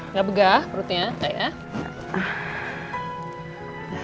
nggak begah perutnya kayaknya